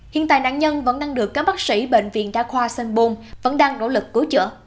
hiện tại nạn nhân vẫn đang được các bác sĩ bệnh viện đa khoa sanh bồn vẫn đang nỗ lực cứu chữa